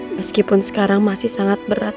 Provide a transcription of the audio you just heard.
meskipun sekarang masih sangat berat